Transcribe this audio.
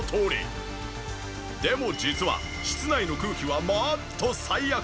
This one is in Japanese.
でも実は室内の空気はもっと最悪。